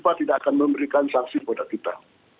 fifa tidak akan memberikan saksi kepada kita